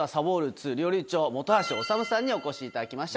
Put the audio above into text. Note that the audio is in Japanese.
２料理長本橋治さんにお越しいただきました。